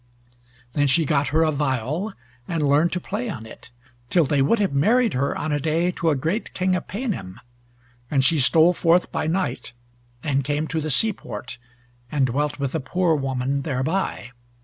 Then she got her a viol, and learned to play on it, till they would have married her on a day to a great King of Paynim, and she stole forth by night, and came to the sea port, and dwelt with a poor woman thereby.